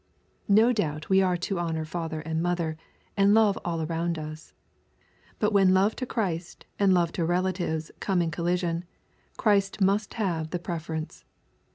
No doubt we are to honor father and mother, and love all around us. But when love to Christ and love to relatives come in collision, Christ must have the preference.